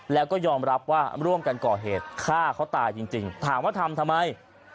แล้วก็ยอมรับว่าร่วมกันก่อเหตุฆ่าเขาตายจริงถามว่าทำทำไม